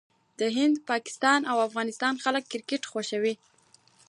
د هند، پاکستان او افغانستان خلک کرکټ ډېر خوښوي.